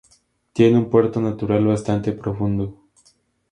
Tiene un puerto natural bastante profundo.